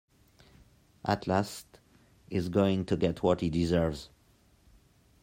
At last he’s going to get what he deserves!